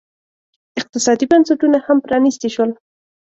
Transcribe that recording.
اقتصادي بنسټونه هم پرانیستي شول.